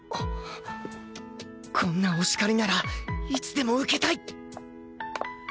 こんなお叱りならいつでも受けたい！